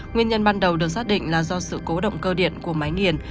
nguyên nhân ban đầu được xác định là do sự cố động cơ điện của máy nghiền